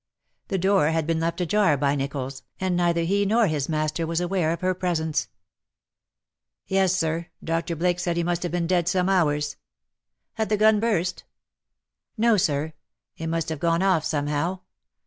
The door had been left ajar by Nicholls, and neither he nor his master was aware of her presence. '^ Yes, Sir. Dr. Blake said he must have been dead some hours." " Had the gun burst ?'" No, Sir. It must have gone off somehow.